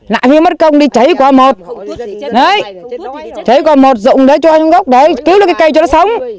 lại phải mất công đi cháy qua một đấy cháy qua một rộng đó cho trong góc đấy cứu được cái cây cho nó sống